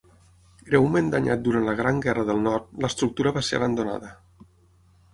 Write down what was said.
Greument danyat durant la Gran Guerra del Nord, l'estructura va ser abandonada.